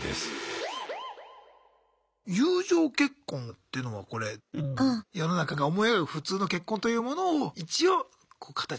友情結婚っていうのはこれ世の中が思い描く普通の結婚というものを一応形として見せるためにする結婚。